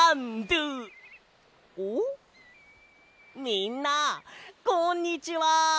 みんなこんにちは！